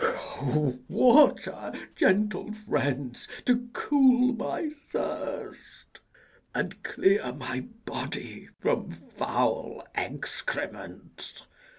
O, water, gentle friends, to cool my thirst, And clear my body from foul excrements!